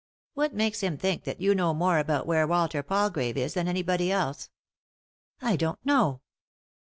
What makes bim think that you know more about where Walter Palgrave is than anybody else ?"" I don't know."